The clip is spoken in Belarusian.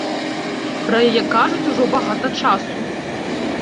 Пра яе кажуць ужо багата часу.